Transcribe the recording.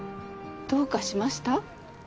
どうかしました？